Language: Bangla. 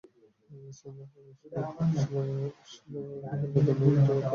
সুন্দরবনের যেমন বিকল্প নেই, তেমনি এটি রক্ষার আন্দোলনে জয়ী হওয়ারও বিকল্প নেই।